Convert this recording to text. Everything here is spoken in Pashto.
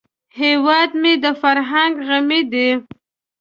هیواد مې د فرهنګ غمی دی